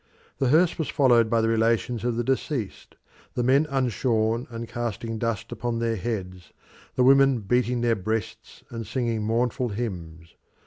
The hearse was followed by the relations of the deceased, the men unshorn and casting dust upon their heads, the women beating their breasts and singing mournful hymns.